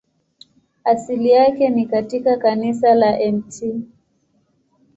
Asili yake ni katika kanisa la Mt.